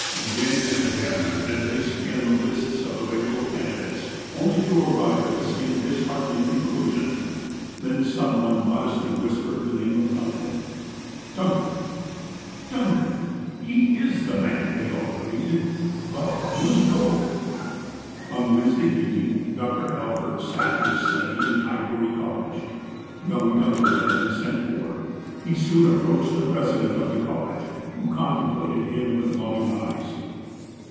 Again and again did they scan the lists of available candidates, only to arrive at the same disheartening con clusion. Then some one modestly whispered the name of Duncan. '' Duncan ! Duncan ! He is the man, '' they all agreed. "But— will he go r' On Wednesday evening Dr. Alford sat in his study in Highbury College. Young Duncan had been sent for. He soon approached the president of the college, who contemplated him with loving eyes.